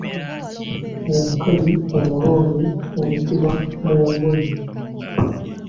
Omukazi omulonde ayitibwa Mmomboze.